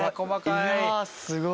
いやすごい。